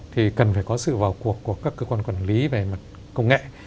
thì cần phải có sự vào cuộc của các cơ quan quản lý về mặt công nghệ